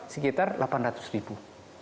sekitar delapan ratus ribu